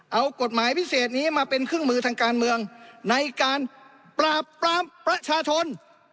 เอากฎหมายพิเศษนี้มาเป็นเครื่องมือทางการเมืองในการปราบปรามประชาชน